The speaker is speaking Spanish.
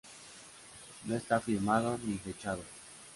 No está firmado ni fechado.